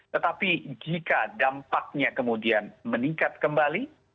tetapi jika dampaknya kemudian meningkat kembali